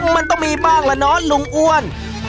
มันต้องมีบ้างละเนาะลุงอ้วน